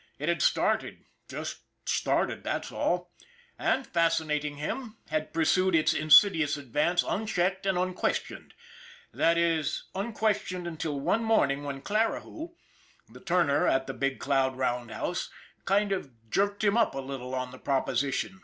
It had started just started, that's all and, fascinating him, had pursued its insidious advance unchecked and un questioned that is, unquestioned until one morning when Clarihue, the turner at the Big Cloud round house, kind of jerked him up a little on the proposi tion.